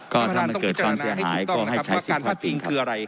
ก็ถ้ามันเกิดความเสียหายก็ให้ใช้สิทธิพลาดพิงคืออะไร